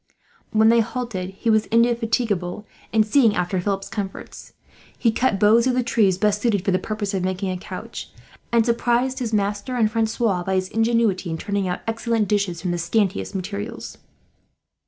When they halted, he was indefatigable in seeing after Philip's comforts. He cut boughs of the trees best suited for the purpose of making a couch, and surprised his master and Francois by his ingenuity in turning out excellent dishes from the scantiest materials.